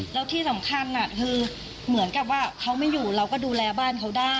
แล้วที่สำคัญคือเหมือนกับว่าเขาไม่อยู่เราก็ดูแลบ้านเขาได้